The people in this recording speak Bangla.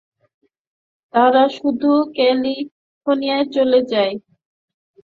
তারা শুধু ক্যালিফোর্নিয়ায় চলে যায় আর টিভি শো শুরু করে।